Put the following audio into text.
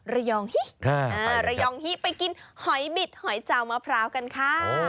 กันที่จังหวัดระยองฮิไปกินหอยบิดหอยเจ้ามะพร้าวกันค่ะ